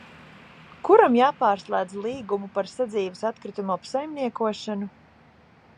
Kuram jāpārslēdz līgumu par sadzīves atkritumu apsaimniekošanu?